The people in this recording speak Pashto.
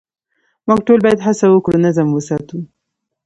موږ ټول باید هڅه وکړو نظم وساتو.